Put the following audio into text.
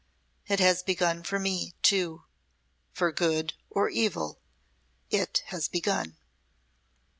It has begun for me, too. For good or evil, it has begun."